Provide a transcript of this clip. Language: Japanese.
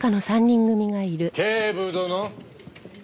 警部殿！